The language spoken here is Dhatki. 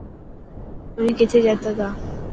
اوهين ڪٿي جاتا تا.